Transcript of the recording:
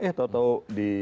eh tau tau di